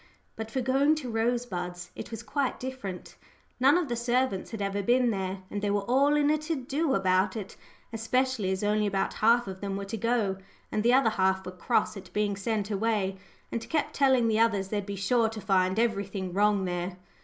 But for going to Rosebuds it was quite different. None of the servants had ever been there, and they were all in a to do about it, especially as only about half of them were to go; and the other half were cross at being sent away, and kept telling the others they'd be sure to find everything wrong there.